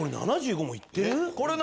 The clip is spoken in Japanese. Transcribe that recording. ７５も行ってる？